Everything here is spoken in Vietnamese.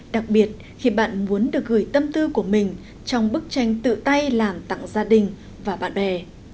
đặc biệt khi bạn muốn được gửi tâm tư của mình trong bức tranh tự tay làm tặng gia đình và bạn bè